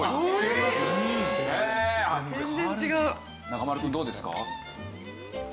中丸くんどうですか？